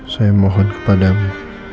saya mohon kepadami